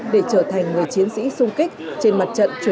để trở thành người chiến sĩ sung kích